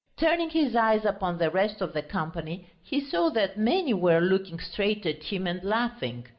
Turning his eyes upon the rest of the company, he saw that many were looking straight at him and laughing.